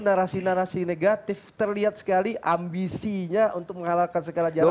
itu narasi narasi negatif terlihat sekali ambisinya untuk mengalahkan segala jalan